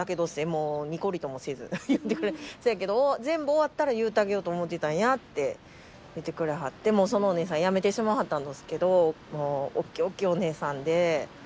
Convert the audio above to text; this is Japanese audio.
もうにこりともせず言ってくれせやけど「全部終わったら言うてあげようと思ってたんや」って言ってくれはってもうそのお姉さん辞めてしまいはったんどすけどもうおっきいおっきいお姉さんで。